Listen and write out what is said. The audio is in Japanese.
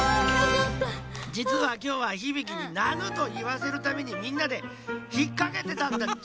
じつはきょうはヒビキに「なぬ！」と言わせるためにみんなでひっかけてたんだっち。